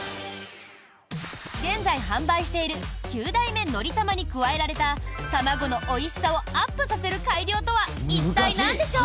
現在販売している９代目「のりたま」に加えられた卵のおいしさをアップさせる改良とは、一体なんでしょう。